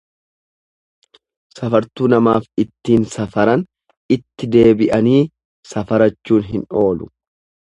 Safartuu namaaf ittiin safaran itti deebianii safarachuun hin oolu.